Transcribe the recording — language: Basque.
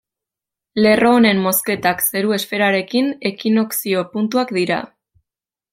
Lerro honen mozketak zeru esferarekin, ekinokzio puntuak dira.